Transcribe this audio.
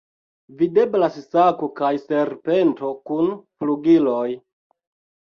Videblas sako kaj serpento kun flugiloj.